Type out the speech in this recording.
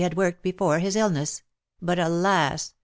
281 had worked before his illness — but alas